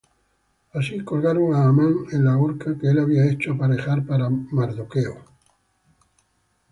Así colgaron á Amán en la horca que él había hecho aparejar para Mardochêo;